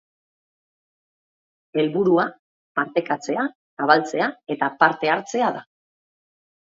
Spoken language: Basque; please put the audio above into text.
Helburua, partekatzea, zabaltzea eta parte hartzea da.